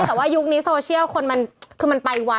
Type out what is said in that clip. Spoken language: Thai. ไม่แต่ต่อวัยุคนี้โซเชียลคือมันไปไว